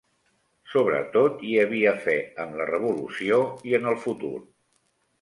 Sobretot, hi havia fe en la revolució i en el futur